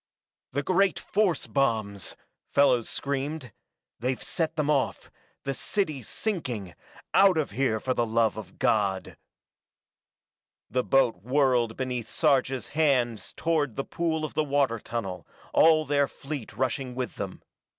"The great force bombs!" Fellows screamed. "They've set them off the city's sinking out of here, for the love of God!" The boat whirled beneath Sarja's hands toward the pool of the water tunnel, all their fleet rushing with them.